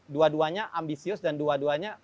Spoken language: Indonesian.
dua duanya ambisius dan dua duanya